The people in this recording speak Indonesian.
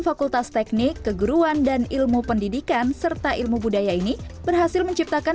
fakultas teknik keguruan dan ilmu pendidikan serta ilmu budaya ini berhasil menciptakan